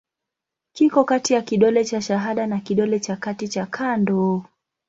Kiko kati ya kidole cha shahada na kidole cha kati cha kando.